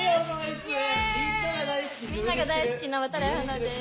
みんなが大好きな渡会華です。